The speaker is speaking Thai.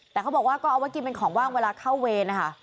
แต่เขาบอกว่าก็เอาไว้กินเป็นของว่างเวลาเข้าเวรนะคะ